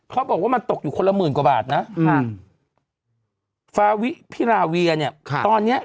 เขาบอกว่ามันตกอยู่คนละหมื่นกว่าบาทนะ